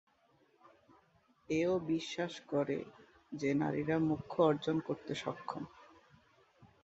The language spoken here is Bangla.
এও বিশ্বাস করে যে নারীরা মোক্ষ অর্জন করতে সক্ষম।